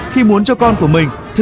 khi muốn cho con có một cuộc sống tốt hơn